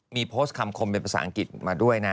มีโพสต์คำคมเป็นภาษาอังกฤษมาด้วยนะ